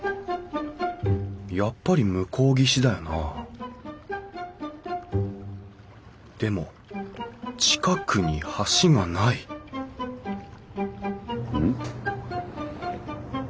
やっぱり向こう岸だよなでも近くに橋がないうん？